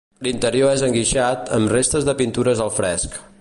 L'interior és enguixat, amb restes de pintures al fresc.